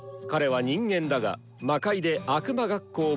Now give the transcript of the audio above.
彼は人間だが魔界で悪魔学校